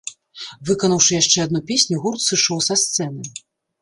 Выканаўшы яшчэ адну песню, гурт сышоў са сцэны.